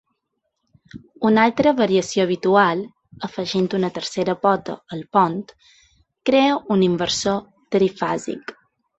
Una altra variació habitual, afegint una tercera "pota" al pont, crea un inversor trifàsic.